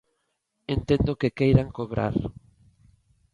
Entendo que queiran cobrar.